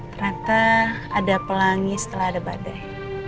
ternyata ada pelangi setelah ada badai